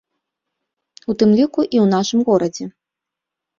У тым ліку і ў нашым горадзе.